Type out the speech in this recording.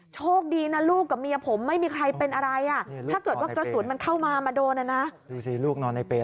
โชคดีนะลูกกับมียผมไม่มีใครเป็นอะไร